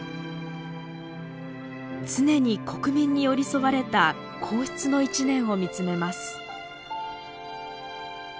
常に国民に寄り添われた皇室の一年を見つめます。